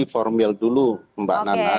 formil dulu mbak nana